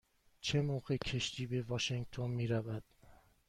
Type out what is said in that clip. چه موقع کشتی به واشینگتن می رود؟